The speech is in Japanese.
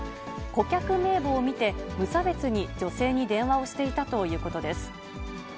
顧客名簿を見て、無差別に女性に電話をしていたということです。